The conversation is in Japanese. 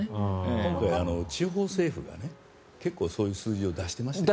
今回、地方政府がそういう数字を出してましたよね。